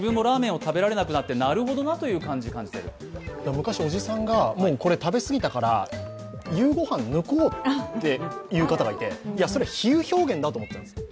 昔、おじさんが食べ過ぎたから、夕ご飯抜こうという方がいて、それ比喩表現だと思ってたんですよ。